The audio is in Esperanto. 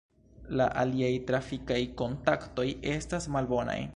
La aliaj trafikaj kontaktoj estas malbonaj.